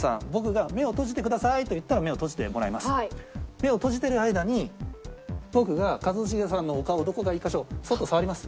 目を閉じてる間に僕が一茂さんのお顔をどこか１カ所そっと触ります。